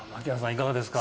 いかがですか？